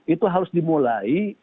itu harus dimulai